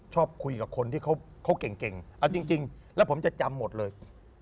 ชอบคุยกับคนที่เขาเก่งเอาจริงแล้วผมจะจำหมดเลย